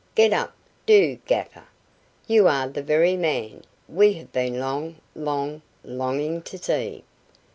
"Get up, do, gaffer! You are the very man We have been long, long, longing to see."